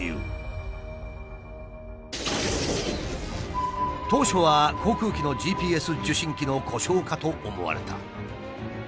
乗客が当初は航空機のＧＰＳ受信機の故障かと思われた。